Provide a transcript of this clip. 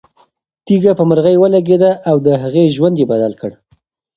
تیږه په مرغۍ ولګېده او د هغې ژوند یې بدل کړ.